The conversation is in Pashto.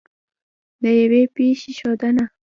د یوې پېښې ښودنه